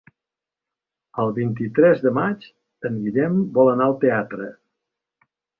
El vint-i-tres de maig en Guillem vol anar al teatre.